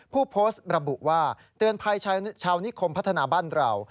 ผู้โพสต์ระบุว่าเตือนภัยชาวนิคมพัฒนาบ้านเรา